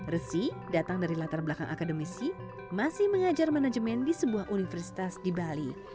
resi datang dari latar belakang akademisi masih mengajar manajemen di sebuah universitas di bali